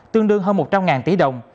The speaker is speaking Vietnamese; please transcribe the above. tương đương hơn một trăm linh tỷ đồng